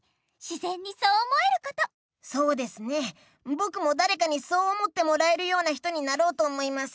ぼくもだれかにそう思ってもらえるような人になろうと思います。